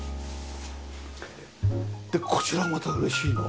こちらまた嬉しいのは。